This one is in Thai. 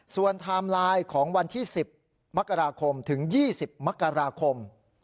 ส่วนไทม์ไลน์ของวันที่๑๐มกราคมถึง๒๐มกราคม